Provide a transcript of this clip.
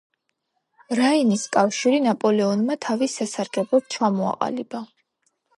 რაინის კავშირი ნაპოლეონმა თავის სასარგებლოდ ჩამოაყალიბა.